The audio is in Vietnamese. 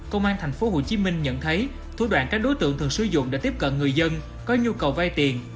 công an tp hcm nhận thấy thủ đoạn các đối tượng thường sử dụng để tiếp cận người dân có nhu cầu vay tiền